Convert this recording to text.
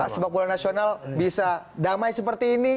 sepak bola nasional bisa damai seperti ini